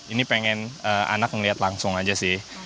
ini pengen anak ngeliat langsung aja sih